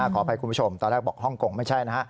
ขออภัยคุณผู้ชมตอนแรกบอกฮ่องกงไม่ใช่นะฮะ